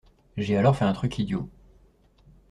J’ai alors fait un truc idiot.